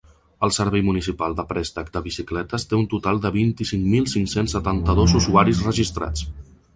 El servei municipal de préstec de bicicletes té un total de vint-i-cinc mil cinc-cents setanta-dos usuraris registrats.